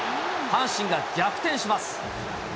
阪神が逆転します。